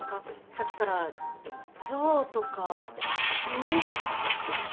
さっきから象とか忍者とか。